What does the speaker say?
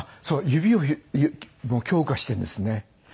そう指を強化してるんですね。